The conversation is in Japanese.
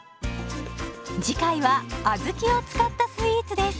次回は小豆を使ったスイーツです。